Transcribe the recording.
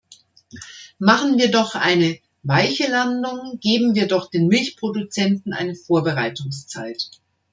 Machen wir doch eine "weiche Landung", geben wir doch den Milchproduzenten eine Vorbereitungszeit.